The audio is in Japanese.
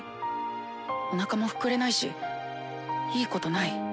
おなかも膨れないしいいことない。